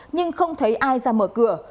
nhưng không thấy ai ra mở cửa